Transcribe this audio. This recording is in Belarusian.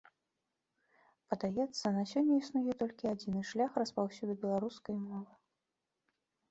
Падаецца, на сёння існуе толькі адзіны шлях распаўсюду беларускай мовы.